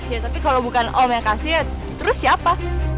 ya tapi kalau bukan om yang kasih ya terus siapa